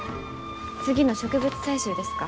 次の植物採集ですか？